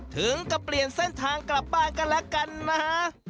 ถึงกับเปลี่ยนเส้นทางกลับบ้านกันแล้วกันนะฮะ